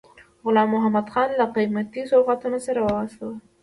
غلام محمدخان له قیمتي سوغاتونو سره واستاوه.